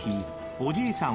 おじいさん